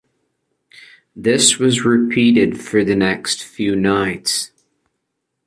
This was repeated for the next few nights.